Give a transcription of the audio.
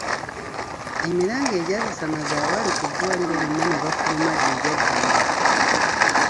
Emiranga egyasasamaza abaali ku ddwaliro bonna ne bafuluma gye gyaddirira.